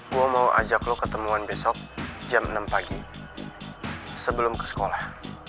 gue mau ajak lo ketemuan besok jam enam pagi sebelum ke sekolah